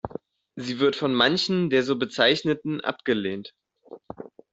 Sie wird von manchen der so Bezeichneten abgelehnt.